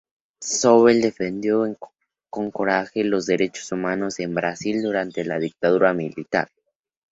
Sobel defendió con coraje los derechos humanos en Brasil, durante la dictadura militar.